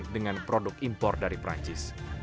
dengan produk impor dari perancis